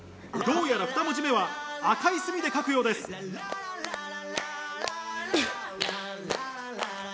どうやらふた文字目は赤い墨で書くようです。んっ！